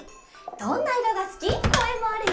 「どんな色がすき」のえもあるよ！